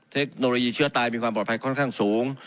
เทคโนโลยีเชื้อตายมีความปลอดภัยค่อนข้างสูง